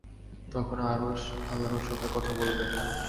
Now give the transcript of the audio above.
তখন আরশ আল্লাহর সঙ্গে কথা বলবে।